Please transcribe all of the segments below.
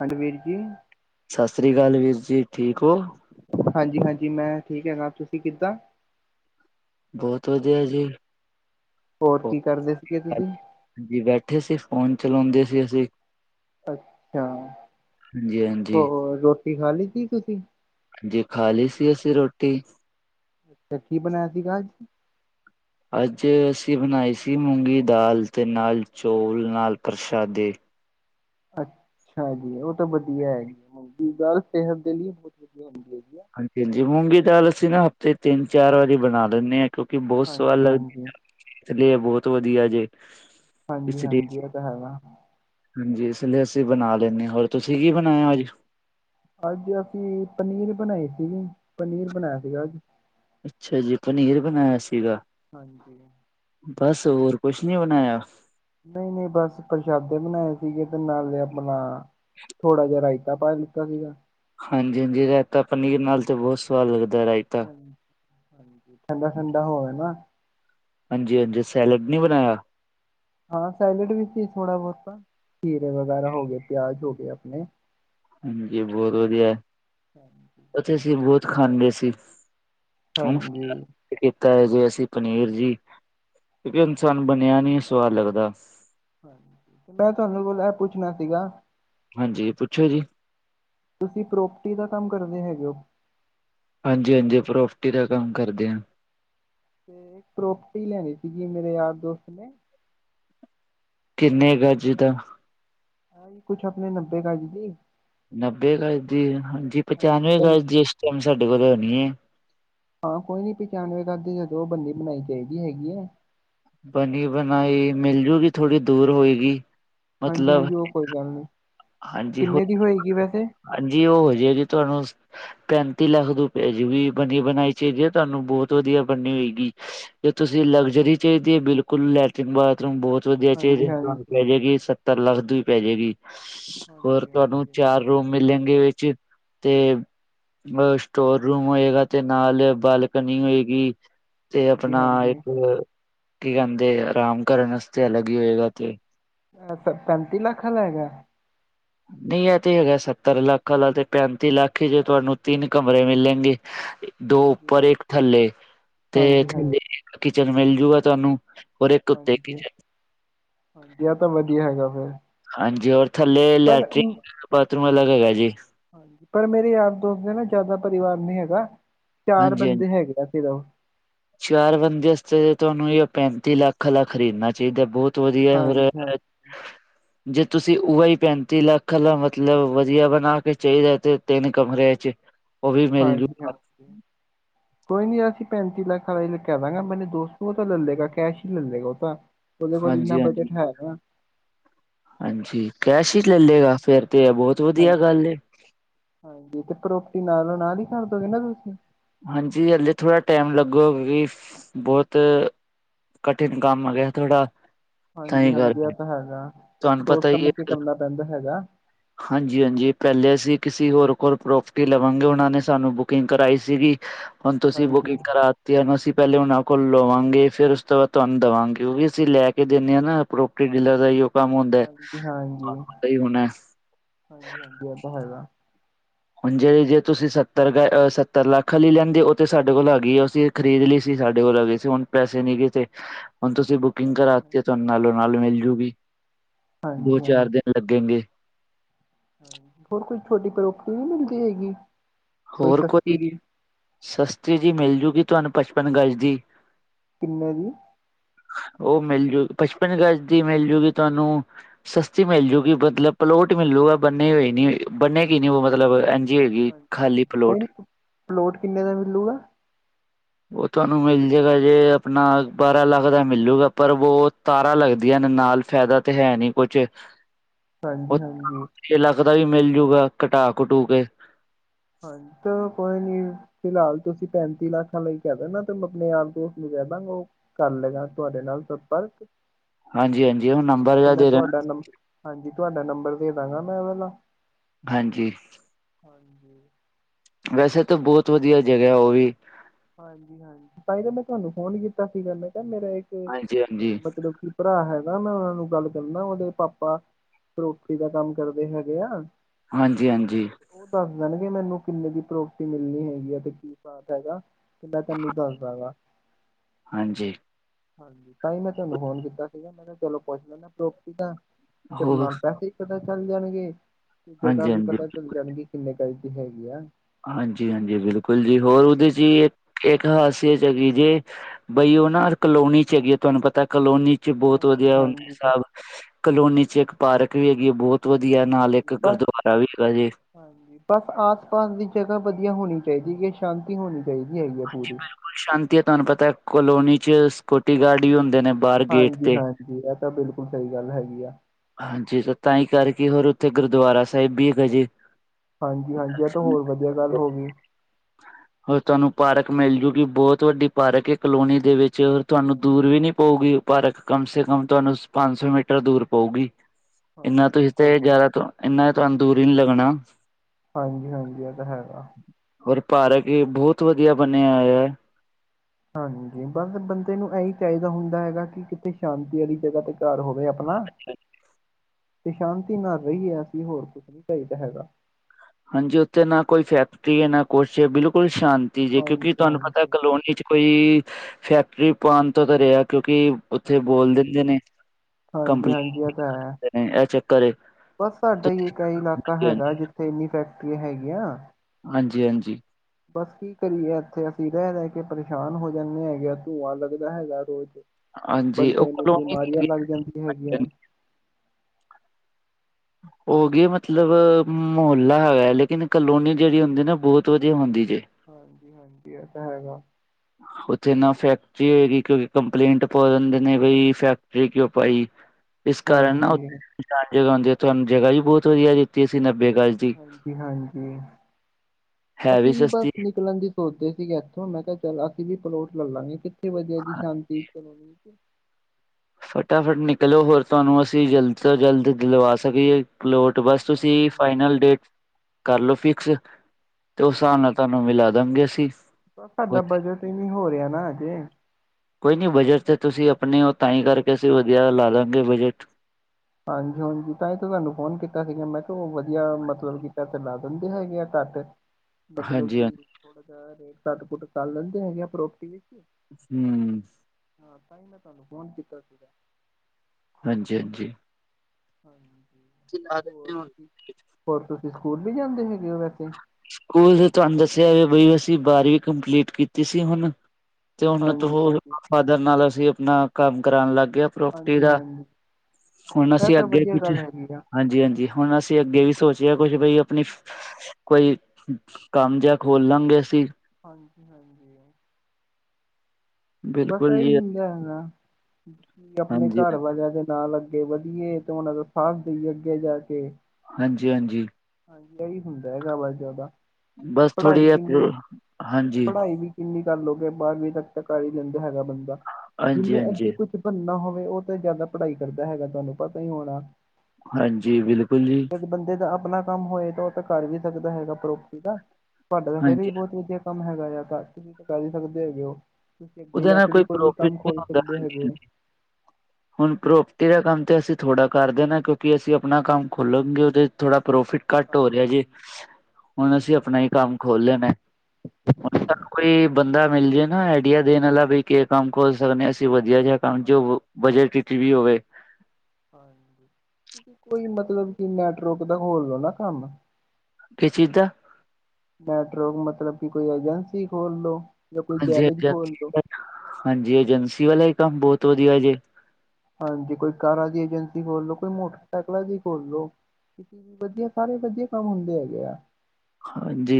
ਹਾਂਜੀ, ਵੀਰ ਜੀ ਸਤਿ ਸ਼੍ਰੀ ਅਕਾਲ ਵੀਰ ਜੀ, ਠੀਕ ਹੋ? ਹਾਂਜੀ- ਹਾਂਜੀ, ਮੈਂ ਠੀਕ ਹੈਗਾ ਤੁਸੀਂ ਕਿੱਦਾਂ? ਬਹੁਤ ਵਧੀਆ ਜੀ। ਹੋਰ ਕੀ ਕਰਦੇ ਸੀਗੇ ਤੁਸੀਂ? ਹਾਂਜੀ, ਬੈਠੇ ਸੀ ਫੋਨ ਚਲਾਉਂਦੇ ਸੀ ਅਸੀਂ। ਅੱਛਾ, ਹਾਂਜੀ ਹਾਂਜੀ ਹੋਰ ਰੋਟੀ ਖਾ ਲਿੱਤੀ ਤੁਸੀਂ? ਜੀ ਖਾ ਲਈ ਸੀ ਅਸੀਂ ਰੋਟੀ। ਚ ਕੀ ਬਣਾਇਆ ਸੀਗਾ ਅੱਜ? ਅੱਜ ਅਸੀਂ ਬਣਾਈ ਸੀ ਮੂੰਗੀ ਦਾਲ ਅਤੇ ਨਾਲ ਚੌਲ, ਨਾਲ ਪ੍ਰਸ਼ਾਦੇ। ਅੱਛਾ ਜੀ ਉਹ ਤਾਂ ਵਧੀਆ ਹੈਗੀ ਹ ਗੱਲ ਸਿਹਤ ਦੇ ਲਈ ਬਹੁਤ ਵਧੀਆ ਹੁੰਦੀ ਹੈਗੀ ਆ। ਹਾਂਜੀ -ਹਾਂਜੀ ਮੂੰਗੀ ਦਾਲ ਅਸੀਂ ਨਾ ਹਫ਼ਤੇ ਤਿੰਨ- ਚਾਰ ਵਾਰੀ ਬਣਾ ਲੈਂਦੇ ਹਾਂ ਕਿਉਂਕਿ ਬਹੁਤ ਸਵਾਦ ਹਾਂਜੀ ਲੱਗਦੀ ਹਾਂਜੀ ਹੈ। ਇਥ ਲਈ ਬਹੁਤ ਵਧੀਆ ਜੇ। ਹਾਂਜੀ ਇਸ ਲਈ -ਹਾਂਜੀ ਇਹ ਤਾਂ ਹੈਗਾ। ਹਾਂਜੀ, ਇਸ ਲਈ ਅਸੀਂ ਬਣਾ ਲੈਂਦੇ ਹਾਂ ਹੋਰ ਤੁਸੀਂ ਕੀ ਬਣਾਇਆ ਹੋ ਅਜ? ਅੱਜ ਅਸੀਂ ਪਨੀਰ ਬਣਾਈ ਸੀਗੀ, ਪਨੀਰ ਬਣਾਇਆ ਸੀਗਾ ਅੱਜ। ਅੱਛਾ, ਜੀ ਪਨੀਰ ਬਣਾਇਆ ਸੀਗਾ? ਹਾਂਜੀ। ਬਸ ਹੋਰ ਕੁਛ ਨਹੀਂ ਬਣਾਇਆ। ਨਹੀਂ ਨਹੀਂ ਬਸ ਪ੍ਰਸ਼ਾਦੇ ਬਣਾਏ ਸੀਗੇ ਤੇ ਨਾਲ ਲਿਆ ਬਲਾ ਥੋੜਾ ਜਿਹਾ ਰਾਇਤਾ ਪਾ ਲਿੱਤਾ ਸੀਗਾ। ਹਾਂਜੀ- ਹਾਂਜੀ ਰਾਇਤਾ ਪਨੀਰ ਨਾਲ ਤੇ ਬਹੁਤ ਸਵਾਦ ਲੱਗਦਾ ਰਾਇਤ। ਹਾਂਜੀ ਠੰਡਾ- ਠੰਡਾ ਹੋਵੇ ਨਾ। ਹਾਂਜੀ -ਹਾਂਜੀ ਸੈਲਡ ਨਹੀਂ ਬਣਾਇਆ? ਹਾਂ ਸੈਲਡ ਵੀ ਸੀ ਥੋੜ੍ਹਾ ਬਹੁਤਾ ਖਿਰੇ ਵਗੈਰਾ ਹੋ ਗਏ, ਪਿਆਜ ਹੋ ਗਏ ਆਪਣੇ। ਹਾਂਜੀ, ਬਹੁਤ ਵਧੀਆ ਉੱਥੇ ਅਸੀ ਬਹੁਤ ਖਾਂਦੇ ਸੀ ਹਾਂਜੀ ਕੀਤਾ ਹੈ ਜੇ ਅਸੀਂ ਪਨੀਰ ਜੀ ਕਿਉਂਕਿ ਇਨਸਾਨ ਬਣਿਆ ਨਹੀਂ ਸਵਾਦ ਲੱਗਦਾ ਮੈਂ ਤੁਹਾਨੂੰ ਕੋਲ ਇਹ ਪੁੱਛਣਾ ਸੀਗਾ ਹਾਂਜੀ, ਪੁੱਛੋ ਜੀ। ਤੁਸੀਂ ਪ੍ਰੋਪਰਟੀ ਦਾ ਕੰਮ ਕਰਦੇ ਹੈਗੇ ਹੋ? ਹਾਂਜੀ, ਹਾਂਜੀ ਪ੍ਰੋਪਰਟੀ ਦਾ ਕੰਮ ਕਰਦੇ ਹਾ। ਤੇ ਪ੍ਰੋਪਰਟੀ ਲੈਣੀ ਸੀਗੀ ਮੇਰੇ ਯਾਰ ਦੋਸਤ ਨੇ ਕਿੰਨੇ ਗਜ ਦਾ ਹਾਂਜੀ, ਕੁੱਛ ਆਪਣੇ ਨੱਬੇ ਕਜਦੀ। ਨੱਬੇ ਗਜ ਦੀ ਹਾਂਜੀ ਪਚਾਨਵੇਂ ਗਜ਼ ਇਸ ਟਾਈਮ ਸਾਡੇ ਕੋਲ ਹੋਣੀ ਹੈ। ਹਾਂ ਕੋਈ ਨੀ ਪਚਾਨਵੇਂ ਗਜ ਦੀ ਜਦੋਂ ਬੰਦੀ ਬਣਾਈ ਚਾਹੀਦੀ ਹੈਗੀ ਹੈ। ਬਣੀ ਬਣਾਈ ਮਿਲਜੂਗੀ, ਥੋੜੀ ਦੂਰ ਹੋਏਗੀ। ਹਾਂਜੀ, ਮਤਲਬ ਹਾਂਜੀ ਉਹ ਕੋਈ ਗੱਲ ਨਹੀ‌ ਹਾਂਜੀ ਹੋ ਕਿੰਨੇ ਦੀ ਹੋਏਗੀ ਵੈਸੇ ਹਾਂਜੀ ਉਹ ਹੋ ਜਾਏਗੀ ਤੁਹਾਨੂੰ ਪੈਂਤੀ ਲੱਖ ਰੁਪਏ ਪੈ ਜਾਏਗੀ ਬਣੀ ਬਣਾਈ ਚਾਹੀਦੀ ਹੈ ਤੁਹਾਨੂੰ ਬਹੁਤ ਵਧੀਆ ਬਣਨੀ ਹੋਏਗੀ। ਤੇ ਤੁਸੀਂ ਲਗਜਰੀ ਚਾਹੀਦੀ ਹੈ ਬਿਲਕੁਲ ਲੈ ਤੇ ਬਾਥਰੂਮ ਬਹੁਤ ਵਧੀਆ ਹਾਂਜੀ ਚਾਹੀਦੇ, ਤੁਹਾਨੂੰ ਹਾਂਜੀ ਪੈ ਜਾਏਗੀ ਸੱਤਰ ਲੱਖ ਦੀ ਵੀ ਪੈ ਜਾਏਗੀ। ਹਾਂਜੀ ਹੋਰ ਤੁਹਾਨੂੰ ਹਾਂਜੀ ਚਾਰ ਰੂਮ ਮਿਲਣਗੇ ਵਿੱਚ ਤੇ ਸਟੋਰ ਰੂਮ ਹੋਏਗਾ ਤੇ ਨਾਲ ਬਾਲਕਨੀ ਹੋਏਗੀ ਤੇ ਹਾਂਜੀ ਆਪਣਾ ਹਾਂਜੀ ਇੱਕ ਕੀ ਕਹਿੰਦੇ ਆਰਾਮ ਕਰਨ ਵਾਸਤੇ ਅਲੱਗ ਹੀ ਹੋਏਗਾ ਤੇ ਅ ਪੈਂਤੀ ਲੱਖ ਵਾਲਾ ਹੈਗਾ ਨਹੀਂ ਇਹ ਤੇ ਹੈਗਾ ਸੱਤਰ ਲੱਖ ਵਾਲਾ, ਤੇ ਪੈਂਤੀ ਲੱਖ ਹੀ ਜੇ ਤੁਹਾਨੂੰ ਤਿੰਨ ਕਮਰੇ ਮਿਲੇਗੇ। ਦੋ ਹਾਂਜੀ ਉੱਪਰ, ਇੱਕ ਥੱਲੇ ਤੇ ਹਾਂਜੀ ਹਾਂਜੀ ਥੱਲੇ ਕਿਚਨ ਮਿਲਜੂਗਾ ਤੁਹਾਨੂੰ। ਔਰ ਇੱਕ ਉੱਤੇ ਹਾਂਜੀ, ਹਾਂਜੀ ਆਹ ਤਾਂ ਵਧੀਆ ਹੈਗਾ ਫੇਰ। ਹਾਂਜੀ, ਔਰ ਥੱਲੇ ਲੈਟਰਿੰਗ ਬਾਥਰੂਮ ਅਲੱਗ ਹੈਗਾ ਜੇ ਪਰ ਮੇਰੇ ਯਾਰ ਦੋਸਤ ਦੇ ਨਾ ਜ਼ਿਆਦਾ ਪਰਿਵਾਰ ਨੀ ਹੈਗਾ ਚਾਰ ਹਾਂਜੀ ਹਾਂਜੀ ਬੰਦੇ ਹੈਗੇਆ ਸਿਰਫ। ਚਾਰ ਬੰਦੇ ਵਾਸਤੇ ਤੁਹਾਨੂੰ ਪੈਂਤੀ ਲੱਖ ਲੱਖ ਖ਼ਰੀਦਣਾ ਚਾਹੀਦਾ ਬਹੁਤ ਹੁ ਵਧੀਆ ਹੋਰਹਾ [unintelligible] ਹਮ ਜੇ ਤੁਸੀਂ ਉ ਹੀ ਪੈਂਤੀ ਲੱਖ ਮਤਲਬ ਵਧੀਆ ਬਣਾ ਕੇ ਚਾਹੀਦਾ ਤੇ ਤਿੰਨ ਕਮਰਿਆਂ ਚ ਉਹ ਵੀ ਮਿਲ ਹਾਂਜੀ ਜੂਗਾ ਹਾਂਜੀ ਕੋਈ ਨੀ ਅਸੀਂ ਪੈਂਤੀ ਲੱਖ ਹ ਕਹਿ ਦਾ ਗਾ ਮੈਨੂੰ ਦੋਸਤ‌ ਨੰ ਲੈ ਲੇਗਾ ਕੈਸ਼ ਹੀ ਲੈ ਲੇਗਾ ਉਹ ਤਾਂ ਉਹਦੇ ਕੋਲ ਇੰਨਾ ਹਾਂਜੀ ਹਾਂਜੀ ਬਜਟ ਹੈਗਾ ਹਾਂਜੀ ਕੈਸ਼ ਹੀ ਲੈਏਗਾ ਫੇਰ ਤੇ ਬਹੁਤ ਹਾਂਜੀ ਵਧੀਆ ਗੱਲ ਏ ਹਾਂਜੀ ਤੇ ਪ੍ਰੋਪਰਟੀ ਨਾਲੋਂ ਨਾਲ ਹੀ ਕਰ ਦੋਗੇ ਨਾ ਤੁਸੀਂ ਹਾਂਜੀ ਹਲੇੇ ਥੋੜ੍ਹਾ ਟਾਈਮ ਲੱਗੋ ਕਿਉਂਕਿ ਬਹੁਤ ਕਠਿਨ ਕੰਮ ਹੈ ਗਿਆ ਥੋੜ੍ਹਾ ਹਾਂਜੀ ਹਾਂਜੀ ਇਹ ਤਾਂ ਹੈਗਾ ਤੁਹਾਨੂੰ ਸੋਚ ਪਤਾ ਹੀ ਹੈ ਸਮਜ ਕੇ ਫਿਰ ਕਰਨਾ ਪੈਂਦਾ ਹੈਗਾ ਹਾਂਜੀ ਹਾਂਜੀ ਪਹਿਲੇ ਅਸੀਂ ਕਿਸੇ ਹੋਰ ਕੋਲ ਪ੍ਰੋਪਰਟੀ ਲਵਾਂਗੇ ਉਹਨਾਂ ਨੇ ਸਾਨੂੰ ਬੁਕਿੰਗ ਕਰਾਈ ਸੀਗੀ ਹੁਣ ਤੁਸੀ ਹਾਂਜੀ ਬੁਕਿੰਗ ਕਰਾ ਤੇ ਐਨਉਸੀ ਪਹਿਲੇ ਉਹਨਾਂ ਕੋਲ ਲਵਾਂਗੇ ਫੇਰ ਉਸ ਤੋਂ ਬਾਅਦ ਤੁਹਾਨੂੰ ਦੇਵਾਂਗੇ ਕਿਉਂਕਿ ਅਸੀਂ ਲੈ ਕੇ ਦਿੰਦੇ ਹਾਂ ਨਾੋ ਡੀਲਰ ਦਾ ਹੀ ਉਹ ਕੰਮ ਹੁੰਦਾ ਹੈ ਹਾਂਜੀ ਹਾਂਜੀ ਹਾਂਜੀ ਤੁਹਾਨੂੰ ਪਤਾ ਹੀ ਹਣਾ ਹਾਂਜੀ ਹਾਂਜੀ ਇਹਤਾ ਹੈਗਾ ਹੁਣ ਜੇੇ ਜੇ ਤੁਸੀਂ ਸੱਤਰ ਸੱਤਰ ਲੱਖ ਖੱਲ ਲੈਂਦੇ ਹੋ ਉਹ ਤੇ ਸਾਡੇ ਕੋਲ ਹੈਗੀ ਏ ਅਸੀ ਖਰੀਦ ਲਈ ਸੀ ਸਾਡੇ ਕੋਲ ਆ ਗਏ ਸੀ ਹੁਣ ਪੈਸੇ ਨੀ ਕਿਸਤੇ ਹੁਣ ਤੁਸੀਂ ਬੁਕਿੰਗ ਹਾਂਜੀ ਕਰਾਤੀ ਤੁਹਾਨੂੰ ਨਾਲੋਂ ਨਾਲੋਂ ਮਿਲਜੂਗੀ ਦੋ ਹਾਂਜੀ ਹਾਂਜੀ ਚਾਰ ਦਿਨ ਲੱਗੇਗੇ ਹੋਰ ਕੋਈ ਛੋਟੀ ਪ੍ਰੋਪਰਟੀ ਨਹੀਂ ਮਿਲਦੀ ਹੈਗੀ ਹੋਰ ਸਸਤੀ ਕੋਈ ਦੀ ਸਸ੍ਰਰੀ ਜੀ ਮਿਲਜੂਗੀ ਤੁਹਾਨੂੰ ਪਚਪਨ ਗਜ ਦੀ ਕਿੰਨੇ ਦੀ ਉਹ ਮਿਲ ਜੂਗੀ ਪਚਪਨ ਗਜ਼ ਦੀ ਮਿਲਜੂਗੀ ਤੁਹਾਨੂੰ ਸਸਤੀ ਮਿਲ ਜੂਗੀ ਮਤਲਬ ਪਲੋਟ ਮਿਲੂਗਾ ਬੇ ਹੋ ਹੀ ਨਹੀਂ ਬਨੇਗੀ ਨਹੀਂ ਮਤਲਬ ਜੀ ਜੀ ਹਾਂਜੀ ਕੋਈ ਨੀ ਪਲੋਟ ਕਿੰਨੇ ਦਾ ਮਿਲੂਗਾ ਉਹ ਤੁਹਾਨੂੰ ਮਿਲ ਜਏਗਾ ਜੇ ਆਪਣਾ ਬਾਰਾਂ ਲੱਖ ਦਾ ਮਿਲੂਗਾ ਪਰ ਬਹੁ ਤਾਰਾਂ ਲੱਗਦੀਆਂ ਨੇ ਨਾਲ ਫਾਇਦਾ ਤਾਂ ਹੈ ਨੀ ਕੁਝ ਹਾਂਜੀ ਹਾਂਜੀ ਛੇ ਲੱਖ ਦਾ ਵੀ ਮਿਲ ਜੂਗਾ ਘਟਾ ਘਟੂ ਕੇ ਹਾਂਜੀ ਤ ਕੋਈ ਨੀ ਫਿਲਹਾਲ ਤੁਸੀਂ ਪੈਂਤੀ ਲੱਖਾਂ ਲਈ ਕਹਿ ਦ ਨਾ ਤੇ ਆਪਣੇ ਆਪ ਦੋਸਤ ਨੂੰ ਕਹਿ ਦਾਂਗਾ ਉਹ ਕਰ ਲਗਾ ਤੁਹਾਡੇ ਨਾਲ ਸੰਪਰਕ ਹਾਂਜੀ ਹਾਂਜੀ ਜ ਉਹ ਨੰਬਰ ਤੇ ਜਾ ਮੈਂ ਦੇ ਦੇਣਾ ਤੁਹਾਡਾ ਨ ਹਾਂਜੀ ਤੁਹਾਡਾ ਨੰਬਰ ਦੇ ਦਾਂਗਾ ਮੈਂ ਵਹਿਾਂ ਹਾਂਜੀ ਹਾਂਜੀ ਵੈਸੇ ਤਾਂ ਬਹੁਤ ਵਧੀਆ ਜਗ੍ਹਾ ਉਹ ਵੀ ਹਾਂਜੀ ਹਾਂਜੀ ਤਾਂਾ ਤਾਂ ਮੈਂ ਤੁਹਾਨੂੰ ਫੋਨ ਕੀਤਾ ਸੀਗਾ ਮੈਂ ਕਿਹਾ ਮੇਰਾ ਇੱਕ ਹਾਂਜੀ ਹਾਂਜੀ ਮਤਲਬ ਕਿ ਭਰਾ ਹੈਗਾ ਮੈਂ ਉਹਨਾਂ ਨੂੰ ਗੱਲ ਕਰਨਾ ਉਹਦੇ ਪਾਪਾ ਪ੍ਰੋਪਟੀ ਦਾ ਕੰਮ ਕਰਦੇ ਹੈਗੇ ਆ ਹਾਂਜੀ ਹਾਂਜੀ ਉਹ ਦੱਸ ਦੇਣ ਕਿ ਮੈਨੂੰ ਕਿੰਨੇ ਦੀ ਪ੍ਰੋਪਰਟੀ ਮਿਲਣੀ ਹੈਗੀ ਆ ਤੇ ਕੀ ਸਾਥ ਹੈਗਾ ਤੇ ਮੈਂ ਤੈਨੂੰ ਦੱਸ ਦਗਾ ਹਾਂਜੀ ਹਾਂਜੀ ਤਾਂ ਹੀ ਮੈਂ ਤੁਹਾਨੂੰ ਫੋਨ ਕੀਤਾ ਸੀਗਾ ਮੈਂ ਤਾਂ ਚਲੋ ਪੁੱਛ ਲੈਂਦਾ ਪ੍ਰੋਪਟੀ ਤਾਂ ਤੇ ਹੋ ਆਪਣਾ ਪੈਸੇ ਪਤਾ ਚੱਲ ਜਾਣਗੇ ਜ੍ਹਾ ਹਾਂਜੀ ਵੀ ਹਾਂਜੀ ਪਤਾ ਚੱਲ ਜਾਣਗੇ ਕਿੰਨੇ ਕਜ਼ ਦੀ ਹੈਗੀ ਆ ਹਾਂਜੀ ਹਾਂਜੀ ਬਿਲਕੁਲ ਜੀ ਹੋਰ ਉਹਦੇ ਚ ਹੀ ਇੱਕ ਇੱਕ ਖਾਸੀਿਅਤ ਹੈਗੀ ਜੇ ਬਈ ਉਹ ਨਾ ਕਲੋਨੀ ਚ ਹੈਗੀ ਆ ਤੁਹਾਨੂੰ ਪਤਾ ਕਲੋਨੀ ਬਹੁਤ ਹਾਂਜੀ ਵਧੀਆ ਹੁੰਦੇ ਹਾਂਜੀ ਸਾ ਕਲੋਨੀ ਚ ਇੱਕ ਪਾਰਕ ਵੀ ਹੈਗੀ ਹੈ ਬਹੁਤ ਵਧੀਆ ਨਾਲ ਹਾਂਜੀ ਇੱਕ ਬਸ ਗੁਰਦੁਆਰਾ ਵੀ ਹੈਗਾ ਜੇ ਹਾਂਜੀ ਬਸ ਆਸ ਪਾਸ ਦੀ ਜਗ੍ਹਾ ਵਧੀਆ ਹੋਣੀ ਚਾਹੀਦੀ ਹੈਗੀ ਸ਼ਾਂਤੀ ਹੋਣੀ ਚਾਹੀਦੀ ਹੈਗੀ ਆ ਪੂਰੀ ਬ ਸ਼ਾਂਤੀ ਹੈ ਤੁਹਾਨੂੰ ਪਤਾ ਕਲੋਨੀ ਚ ਸਕਿਓਰਟੀ ਗਾਰਡ ਵੀ ਹੁੰਦੇ ਨੇ ਬਾਹਰ ਗੇਟ ਹਾਂਜੀ ਤੇ ਹਾਂਜੀ ਇਹ ਤਾਂ ਬਿਲਕੁਲ ਸਹੀ ਗੱਲ ਹੈਗੀ ਆ ਹਾਂਜੀ ਤੇ ਤਾਂ ਹੀ ਕਰਕੇ ਹੋਰ ਉੱਥੇ ਗੁਰਦੁਆਰਾ ਸਾਹਿਬ ਵੀ ਹੈਗਾ ਜੀ ਹਾਂਜੀ ਹਾਂਜੀ ਇਹ ਤਾਂ ਹੋਰ ਵਧੀਆ ਗੱਲ ਹੋ ਗਈ ਹੋਰ ਤੁਹਾਨੂੰ ਪਾਰਕ ਮਿਲ ਜੂਗੀ ਬਹੁਤ ਵੱਡੀ ਪਾਰਕ ਹੈ ਕਲੋਨੀ ਦੇ ਵਿੱਚ ਹੋਰ ਹਾਂਜੀ ਤੁਹਾਨੂੰ ਦੂਰ ਹਾਂਜੀ ਵੀ ਨੀ ਪਊਗੀ ਉਪਾਰਕ ਕਮ ਸੇ ਕਮ ਤੁਹਾਨੂੰ ਪੰਜ ਸੌ ਮੀਟਰ ਦੂਰ ਪਊਗੀ ਇੰਨਾ ਹਾਂਜੀ ਤੁਸੀਂ ਇਹ ਤਾਂ ਤੇ ਜ਼ਿਆਦਾ ਇਨਾ ਤੁਹਾਨੂੰ ਦੂਰ ਹੀ ਨਹੀਂ ਲੱਗਣਾ ਹਾਂਜੀ ਹਾਂਜੀ ਇਹ ਤਾਂ ਹੈਗਾ ਰ ਪਾਰਕ ਹੀ ਬਹੁਤ ਵਧੀਆ ਬਣਿਆ ਹੋਇਆ ਹੈ ਹਾਂਜੀ ਬਸ ਬੰਦੇ ਨੂੰ ਇਹੀ ਚਾਹੀਦਾ ਹੁੰਦਾ ਹੈਗਾ ਕਿ ਕਿੱਥੇ ਸ਼ਾਂਤੀ ਵਾਲੀ ਜਗ੍ਹਾ ਤੇ ਘਰ ਹੋਵੇ ਆਪਣਾ ਤੇ ਸ਼ਾਂਤੀ ਨਾਲ ਰਹੀਏ ਅਸੀਂ ਹੋਰ ਕੁਛ ਨ ਚਾਹੀਦਾ ਹੈਗਾ ਹਾਂਜੀ ਉੱਥੇ ਨਾ ਕੋਈ ਫੈਕਟਰੀ ਹੈ ਨਾ ਕੁਛ ਹੈ ਬਿਲਕੁਲ ਸ਼ਾਂਤ ਜੇ ਕਿਉਂਕਿ ਹਾਂਜੀ ਤੁਹਾਨੂੰ ਹਾਂਜੀ ਪਤਾ ਕਲੋਨੀ ਚ ਕੋਈ ਫੈਕਟਰੀ ਪਾਉਣ ਤੋਂ ਤਾਂ ਰਿਹਾ ਕਿਉਂਕਿ ਉੱਥੇ ਹਾਂਜੀ ਬੋਲ ਦਿੰਦੇ ਹਾਂਜੀ ਨੇ ਹਾਂਜੀ ਕੰਪਲੀਟ ਹਾਂਜੀ ਇਹ ਤਾਂ ਹੈ ਨੇ ਇਹ ਚੱਕਰ ਏ। ਬਸ ਸਾਡਾ ਹੀ ਇੱਕ ਇ ਇਲਾਕਾ ਹੈਗਾ ਹਾਂਜੀ ਜਿੱਥੇ ਏਨੀਆ ਫੈਕਟਰੀਆਂ ਹੈਗੀਆਂ ਹਾਂਜੀ ਹਾਂਜੀ ਬਸ ਕੀ ਕਰੀਏ ਇੱਥੇ ਅਸੀਂ ਰਹਿ ਰਹਿ ਕੇ ਪਰੇਸ਼ਾਨ ਹੋ ਜਾਂਦੇ ਹੈਗੇ ਆ ਧੂੰਆਂ ਲੱਗਦਾ ਹੈਗਾ ਰੋਜ਼ ਹਾਂਜੀ ਉਹ ਬੰਦੇ ਨੂੰ ਬਿਮਾਰੀਆਂ ਕਲੋਨੀ ਲੱਗ ਜਾਂਦੀਆਂ ਹੈਗੀਆਂ ਉਹ ਗਿਆ ਮਤਲਬ ਮੁਹੱਲਾ ਹੈਗਾ ਲੇਕਿਨ ਕਲੋਨੀ ਜਿਹੜੀ ਹੁੰਦੀ ਨਾ ਬਹੁਤ ਵਧੀਆ ਹੁੰਦੀ ਜੇ। ਹਾਂਜੀ ਹਾਂਜੀ ਇਹ ਤਾਂ ਹੈਗਾ। ਉੱਥੇ ਨਾ ਫੈਕਟਰੀ ਹੋਏਗੀ ਕਿਉਂਕਿ ਕੰਪਲੇਂਟ ਪਾ ਦਿੰਦੇ ਨੇ ਬਈ ਫੈਕਟਰੀ ਕਿਉਂ ਪਾਈ। ਹੂੰ। ਇਸ ਕਾਰਨ ਨਾ ਉੱਥੇ ਸ਼ਾਨ ਜਗ੍ਹਾ ਹੁੰਦੀ ਹੈ ਤੁਹਾਨੂੰ ਜਗ੍ਹਾ ਵੀ ਬਹੁਤ ਵਧੀਆ ਦਿੱਤੀ ਸੀ ਨੱਬੇ ਗਜ਼। ਹਾਂਜੀ ਹਾਂਜੀ ਹੈ ਅਸੀਂ ਵੀ ਬਸ ਸਸਤੀ ਨਿਕਲਣ ਦੀ। ਸੋਚਦੇ ਸੀਗੇ ਇੱਥੋਂ ਮੈਂ ਕਿਹਾ ਚੱਲ ਅਸੀਂ ਵੀ ਪਲੋਟ ਲੈ ਲਾਂਗੇ ਕਿੱਥੇ ਵਧੀਆ ਜੀ ਸ਼ਾਂਤੀ। ਫਟਾਫਟ ਨਿਕਲੋ ਹੋਰ ਤੁਹਾਨੂੰ ਅਸੀਂ ਜਲਦ ਤੋਂ ਜਲਦ ਦਿਲਵਾ ਸਕੀਏ। ਪਲੋਟ ਬਸ ਤੁਸੀਂ ਹਾਂਜੀ ਫਾਈਨਲ ਹਾਂਜੀ ਡੇਟ ਕਰਲੋ ਫਿਕਸ। ਤੇ ਉਸ ਹਿਸਾਬ ਨਾਲ ਤੁਹਾਨੂੰ ਮਿਲਾ ਦਾ ਗੇ ਅਸੀਂ। ਉਹ ਸਾਡਾ ਬਜਟ ਹੀ ਨਹੀਂ ਹੋ ਰਿਹਾ ਨਾ ਅਜੇ। ਕੋਈ ਨਹੀਂ ਬਜਟ 'ਚ ਤੁਸੀਂ ਆਪਣੇ ਉਹ ਤਾਂਹੀ ਕਰਕੇ ਅਸੀਂ ਵਧੀਆ ਲਾਂਦਾਗੇ ਬਜਟ। ਹਾਂਜੀ ਹਾਂਜੀ ਤਾਂ ਹੀ ਤਾਂ ਤੁਹਾਨੂੰ ਫੋਨ ਕੀਤਾ ਸੀਗਾ ਮੈਂ ਕਿਹਾ ਉਹ ਵਧੀਆ ਮਤਲਬ ਕਿ ਪੈਸੇ ਲਾ ਦਿੰਦੇ ਹੈਗੇ ਆ ਘੱਟ। ਮਤਲਬ ਹਾਂਜੀ ਕਿ ਹਾਂਜੀ ਥੋੜਾ ਜਿਹਾ ਰੇਟ ਘੱਟ ਕੁੱਟ ਕਰ ਲੈਂਦੇ ਹੈਗੇ ਆ ਪ੍ਰੋਪਰਟੀ ਵਿੱਚ। ਹੂੰ। ਹਾਂ ਤਾਂ ਹੀ ਮੈਂ ਤੁਹਾਨੂੰ ਫੋਨ ਕੀਤਾ ਸੀਗਾ। ਹਾਂਜੀ ਹਾਂਜੀ। ਹਾਂਜੀ ਹਾਂਜੀ ਹੋਰ ਤੁਸੀਂ ਸਕੂਲ ਵੀ ਜਾਂਦੇ ਹੈਗੇ ਹੋ ਵੈਸੇ। ਸਕੂਲ ਤੁਹਾਨੂੰ ਦੱਸਿਆ ਬਈ ਅਸੀਂ ਬਾਰਵੀਂ ਕੰਪਲੀਟ ਕੀਤੀ ਸੀ ਹੁਣ। ਤੇ ਹੁਣ ਹਾਂਜੀ ਤੋਂ ਹਾਂਜੀ ਫਾਦਰ ਨਾਲ ਅਸੀਂ ਆਪਣਾ ਕੰਮ ਕਰਾਉਣ ਲੱਗ ਗਿਆ। ਪ੍ਰੋਪਰਟੀ ਹਾਂਜੀ ਦਾ ਹਾਂਜੀ ਹੁਣ ਇਹ ਅਸੀਂ ਤਾਂ ਅੱਗੇ ਵਧੀਆ ਕੁਛ। ਗੱਲ ਹੈਗੀ ਆ ਹਾਂਜੀ ਹਾਂਜੀ ਹੁਣ ਅਸੀਂ ਅੱਗੇ ਵੀ ਸੋਚਿਆ ਕੁਛ ਬਈ ਆਪਣੀ। ਕੋਈ ਕੰਮ ਜਿਹਾ ਖੋਲ ਲਾਂਗੇ ਅਸੀਂ। ਹਾਂਜੀ ਹਾਂਜੀ। ਬਸ ਬਿਲਕੁਲ ਇਹੀ ਜੀ ਹੁੰਦਾ ਨਾ ਵੀ ਆਪਣੇ ਹਾਂਜੀ ਘਰ ਵਾਲਿਆਂ ਦੇ। ਨਾਲ ਅੱਗੇ ਵਧੀਏ ਤੇ ਉਹਨਾਂ ਦਾ ਸਾਥ ਦੇਈਏ ਅੱਗੇ ਜਾ ਕੇ। ਹਾਂਜੀ ਹਾਂਜੀ। ਹਾਂਜੀ ਇਹੀ ਹੁੰਦਾ ਗਾ ਬਸ ਜ਼ਿਆਦਾ। ਬਸ ਪੜ੍ਹਾਈ ਥੋੜ੍ਹੀ ਕਿੰਨੀ ਅਹ ਹਾਂਜੀ। ਪੜ੍ਹਾਈ ਵੀ ਕਿੰਨੀ ਗੱਲ ਹੋ ਗਈ ਕਿ ਬਾਰਵੀਂ ਤੱਕ ਤਾਂ ਕਰ ਹੀ ਲੈਂਦਾ ਹੈਗਾ ਬੰਦਾ ਹਾਂਜੀ ਜਿੰਨੇ ਅੱਗੇ ਹਾਂਜੀ ਕੁਛ। ਬਣਨਾ ਹੋਵੇ ਉਹ ਤਾਂ ਜ਼ਿਆਦਾ ਪੜ੍ਹਾਈ ਕਰਦਾ ਹੈਗਾ ਤੁਹਾਨੂੰ ਪਤਾ ਹੀ ਹੋਣਾ। ਹਾਂਜੀ ਬਿਲਕੁਲ ਜੀ। ਜਦ ਬੰਦੇ ਦਾ ਆਪਣਾ ਕੰਮ ਹੋਏ ਤਾਂ ਉਹ ਤਾਂ ਕਰ ਵੀ ਸਕਦਾ ਹੈਗਾ ਪ੍ਰੋਪਰਟੀ ਦਾ ਤੁਹਾਡਾ ਤਾਂ ਫੇਰ ਵੀ ਹਾਂਜੀ ਬਹੁਤ ਵਧੀਆ। ਕੰਮ ਹੈਗਾ ਆ ਤੁਹਾਡਾ ਤੁਸੀਂ ਤਾਂ ਕਰ ਹੀ ਸਕਦੇ ਹੈਗੇ ਹੋ। ਤੁਸੀਂ ਅੱਗੇ ਉਹਦੇ ਜਾ ਨਾਲ ਕੇ ਵੀ ਕੋਈ ਵੀ ਪ੍ਰੋਫਿਟ ਕੰਮ ਨਹੀਂ ਖੋਲ ਹੁੰਦਾ ਸਕਦੇ ਹਾਂਜੀ ਹੈਗੇ ਆ। ਹੁਣ ਪ੍ਰੋਪਰਟੀ ਦਾ ਕੰਮ ਤਾਂ ਅਸੀਂ ਥੋੜ੍ਹਾ ਕਰ ਦੇਣਾ ਕਿਉਂਕਿ ਅਸੀਂ ਆਪਣਾ ਕੰਮ ਖੋਲੋਗੇ ਉਹਦੇ ਥੋੜ੍ਹਾ ਪ੍ਰੋਫਿਟ। ਘੱਟ ਹੋ ਰਿਹਾ ਹਾਂਜੀ ਜੇ। ਹਾਂਜੀ ਹੁਣ ਅਸੀਂ ਆਪਣਾ ਹੀ ਕੰਮ ਖੋਲ ਲੇਣਾ ਹੁਣ ਤੱਕ ਕੋਈ ਬੰਦਾ ਮਿਲ ਜੇ ਨਾ। ਵਧੀਆ ਦੇਣ ਵਾਲਾ ਵੀ ਕੀ ਕੰਮ ਖੋਲ ਸਕਦੇ ਹਾਂ ਅਸੀਂ ਵਧੀਆ ਜਿਹਾ ਕੰਮ ਹਾਂਜੀ ਜੋ ਬਜਟ ਵਿੱਚ ਵੀ ਹੋਵੇ। ਹਾਂਜੀ ਕੋਈ ਮਤਲਬ ਕਿ ਨੈਟਵਰਕ ਦਾ ਹੋਰ ਲੈ ਲਾ ਭਾਵੇਂ। ਕਿਸ ਚੀਜ਼ ਦਾ। ਨੈਟਰਕ ਮਤਲਬ ਕਿ ਕੋਈ ਏਜੰਸੀ ਖੋਲਲੋ ਜਾਂ ਕੋਈ ਹਾਂਜੀ ਗੈਰੇਜ ਖੋਲ ਦੋ। ਹਾਂਜੀ ਏਜੰਸੀ ਵਾਲਾ ਵੀ ਕੰਮ ਬਹੁਤ ਵਧੀਆ ਜੇ। ਹਾਂਜੀ ਕੋਈ ਕਾਰਾਂ ਦੀ ਏਜੰਸੀ ਖੋਲਲੋ, ਕੋਈ ਮੋਟਰਸਾਈਕਲਾਂ ਦੀ ਖੋਲੋਲੋ। ਵਧੀਆ ਸਾਰੇ ਵਧੀਆ ਕੰਮ ਹੁੰਦੇ ਹੈਗੇ ਆ। ਹਾਂਜੀ।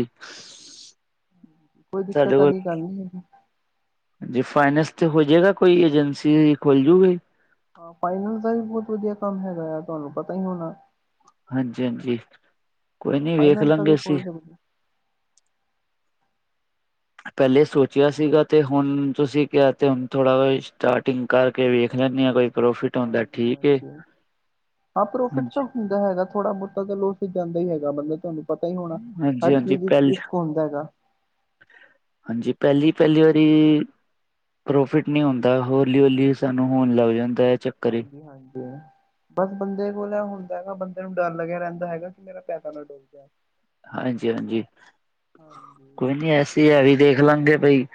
ਕੋਈ ਦਿੱਕਤ ਸਾਡੇ ਕੋਲ ਵਾਲੀ ਗੱਲ ਨਹੀਂ ਹੈਗੀ। ਜੀ ਫਾਈਨੈਂਸ ਤੇ ਹੋ ਜੇਗਾ ਕੋਈ ਏਜੰਸੀ ਖੁੱਲ ਜੂਗੀ। ਹਾ ਫਾਈਨੈਂਸ ਦਾ ਵੀ ਬਹੁਤ ਵਧੀਆ ਕੰਮ ਹੈਗਾ ਆ ਤੁਹਾਨੂੰ ਪਤਾ ਹੀ ਹੋਣਾ। ਹਾਂਜੀ ਹਾਂਜੀ ਕੋਈ ਹਾਂ ਨੀ ਵੇਖ ਫਾਈਨੈਂਸ ਦਾ ਲਾਂਗੇ ਵੀ ਅਸੀਂ। ਖੋਲ ਸਕਦੇ ਪਹਿਲੇ ਸੋਚਿਆ ਸੀਗਾ ਤੇ ਹੁਣ ਤੁਸੀਂ ਕਿਹਾ ਤੇ ਹੁਣ ਥੋੜਾ ਸਟਾਰਟਿੰਗ ਕਰਕੇ ਵੇਖ ਲੈਂਨੇ ਹਾਂ ਕੋਈ ਪ੍ਰੋਫਿਟ ਹੁੰਦਾ ਹਾਂਜੀ ਠੀਕ ਏ ਹਾਂਜੀ ਹਾਂ ਪ੍ਰੋਫਿਟ ਹਾਂਜੀ ਤਾਂ ਹੁੰਦਾ ਹੈਗਾ ਥੋੜ੍ਹਾ ਬਹੁਤਾ ਤਾ ਜਾਂਦਾ ਹੀ ਹੈਗਾ ਤੁਹਾਨੂੰ ਪਤਾ ਹੀ ਹੋਣਾ ਹਰ ਹਾਂਜੀ ਹਾਂਜੀ ਚੀਜ਼ ਪਹਿਲ ਡਿਸਕ ਹੁੰਦਾ ਹੈਗਾ ਹਾਂਜੀ ਪਹਿਲੀ ਪਹਿਲੀ ਵਾਰੀ ਪ੍ਰੋਫਿਟ ਨਹੀਂ ਹੁੰਦਾ ਹੌਲੀ ਹੌਲੀ ਸਾਨੂੰ ਹੋਣ ਲੱਗ ਜਾਂਦਾ ਹੈ ਚੱਕਰ ਹੀ ਹਾਂਜੀ ਹਾਂਜੀ ਬਸ ਬੰਦੇ ਕੋਲ ਇਹ ਹੁੰਦਾ ਹੈਗਾ ਬੰਦੇ ਨੂੰ ਡਰ ਲੱਗਿਆ ਰਹਿੰਦਾ ਹੈਗਾ ਕਿ ਮੇਰਾ ਪੈਸਾ ਨਾ ਡੁਬ ਜਾਏ ਹਾਂਜੀ ਹਾਂਜੀ ਹਾਂਜੀ ਕੋਈ ਨੀ ਐਸੀ ਇਹ ਵੀ ਦੇਖ ਲਾਂਗੇ ਬਈ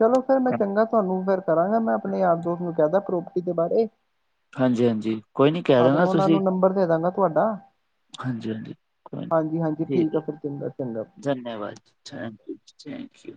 ਚਲੋ ਫੇਰ ਮੈਂ ਚੰਗਾ ਤੁਹਾਨੂੰ ਫੇਰ ਕਰਾਂਗਾ ਮੈਂ ਆਪਣੇ ਯਾਰ ਦੋਸਤ ਨੂੰ ਕਹਿਦਾ ਪ੍ਰੋਪਰਟੀ ਦੇ ਬਾਰੇ ਹਾਂਜੀ ਹਾਂਜੀ ਕੋਈ ਨੀ ਕਹਿ ਹਾਂ ਤੇ ਦੇਣਾ ਮੈਂ ਉਹਨਾਂ ਤੁਸੀਂ ਨੂੰ ਨੰਬਰ ਦੇ ਦਾ ਗਾ ਤੁਹਾਡਾ ਹਾਂਜੀ ਹਾਂਜੀ ਕੋਈ ਨੀ ਹਾਂਜੀ ਹਾਂਜੀ ਠੀਕ ਆ ਫੇਰ ਚੰਗਾ ਚੰਗਾ ਧੰਨਵਾਦ ਥੈਂਕ ਯੂ ਜੀ ਥੈਂਕ ਯੂ